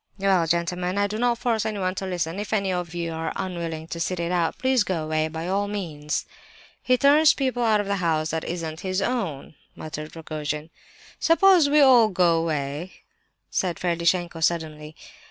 "Well—gentlemen—I do not force anyone to listen! If any of you are unwilling to sit it out, please go away, by all means!" "He turns people out of a house that isn't his own," muttered Rogojin. "Suppose we all go away?" said Ferdishenko suddenly.